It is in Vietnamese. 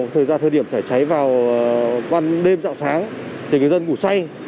thời gian thời điểm chảy cháy vào đêm dạo sáng thì dân ngủ say